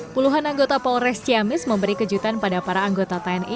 puluhan anggota polres ciamis memberi kejutan pada para anggota tni